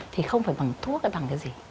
thì không phải bằng thuốc hay bằng cái gì